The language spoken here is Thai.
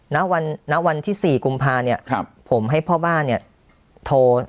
ณวันณวันที่๔กุมภาเนี่ยผมให้พ่อบ้านเนี่ยโทร